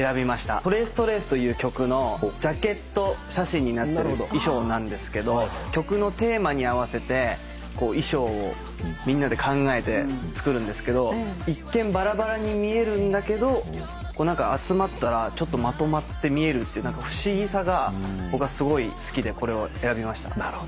『ＴｒａｃｅＴｒａｃｅ』という曲のジャケット写真になってる衣装なんですけど曲のテーマに合わせてこう衣装をみんなで考えて作るんですけど一見バラバラに見えるんだけど集まったらちょっとまとまって見えるっていう何か不思議さが僕はすごい好きでこれを選びました。